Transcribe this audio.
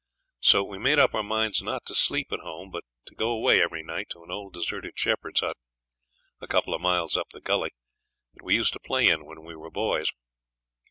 So we made up our minds not to sleep at home, but to go away every night to an old deserted shepherd's hut, a couple of miles up the gully, that we used to play in when we were boys.